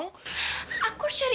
apa nak cari